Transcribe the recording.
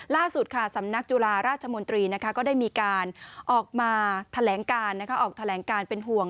ล่าสุดสำนักจุฬาราชมนตรีก็ได้มีการออกมาแถลงการเป็นห่วง